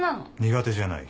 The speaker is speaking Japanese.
苦手じゃない。